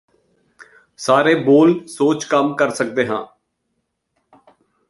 ਸਾਰੇ ਬੋਲ ਸੋਚ ਕੰਮ ਕਰ ਸਕਦੇ ਹਾਂ